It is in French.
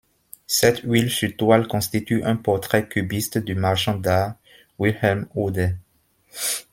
Cette huile sur toile constitue un portrait cubiste du marchand d'art Wilhelm Uhde.